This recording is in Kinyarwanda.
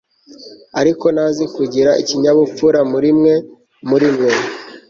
ariko ntazi kugira ikinyabupfura murimwe murimwe